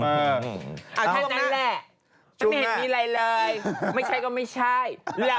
ไม่เห็นมีอะไรเลยไม่ใช่ก็ไม่ใช่